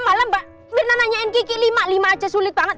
malah mbak mirna nanyain kiki lima aja sulit banget